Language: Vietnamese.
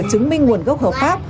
chứng minh nguồn gốc hợp pháp